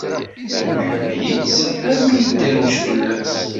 Iḥemmel-itt armi yedderwec fell-as.